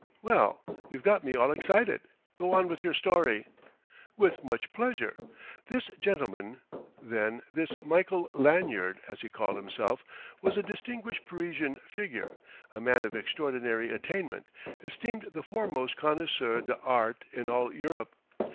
"Well, you've got me all excited. Go on with your story." "With much pleasure.... This gentleman, then, this Michael Lanyard, as he called himself, was a distinguished Parisian figure, a man of extraordinary attainment, esteemed the foremost connoisseur d'art in all Europe.